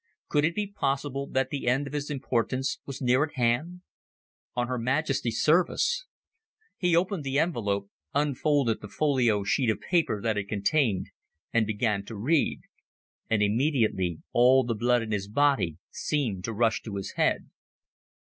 Could it be possible that the end of his importance was near at hand? On Her Majesty's Service! He opened the envelope, unfolded the folio sheet of paper that it contained, began to read and immediately all the blood in his body seemed to rush to his head.